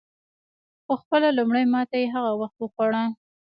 خو خپله لومړۍ ماته یې هغه وخت وخوړه.